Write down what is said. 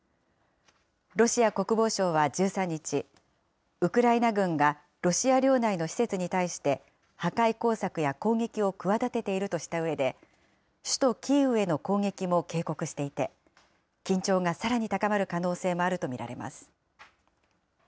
ロシア国防省は１３日、ウクライナ軍がロシア領内の施設に対して、破壊工作や攻撃を企てているとしたうえで、首都キーウへの攻撃も警告していて、緊張がさらに高まる可能性もあると見られています。